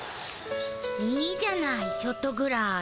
いいじゃないちょっとぐらい。